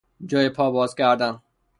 جای پا باز کردن